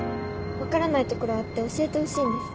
分からないところあって教えてほしいんです。